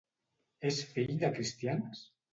És fill de cristians?